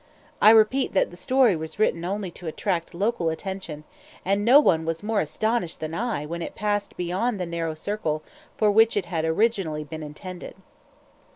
I repeat that the story was written only to attract local attention, and no one was more astonished than I when it passed beyond the narrow circle for which it had originally been intended.